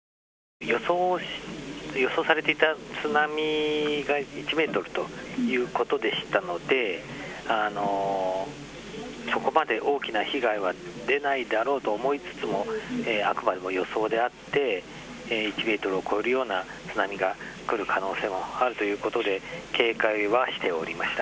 予想されていた津波が１メートルということでしたのでそこまで大きな被害は出ないだろうと思ってもあくまでも予想であって１メートルを超えるような津波が来る可能性もあるということで警戒はしておりました。